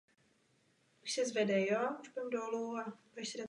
Okolní krajina je členěna četnými skalnatými vrchy.